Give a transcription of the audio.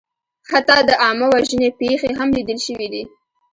حتی د عامهوژنې پېښې هم لیدل شوې دي.